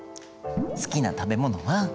「好きな食べ物は」。